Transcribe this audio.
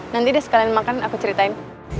nanti deh sekalian makan aku ceritain